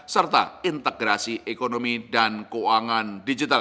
serta integrasi ekonomi dan keuangan digital